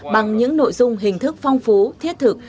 bằng những nội dung hình thức phong phú thiết thực